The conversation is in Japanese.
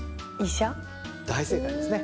大正解ですね。